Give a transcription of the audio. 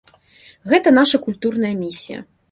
Гэта наша культурная місія.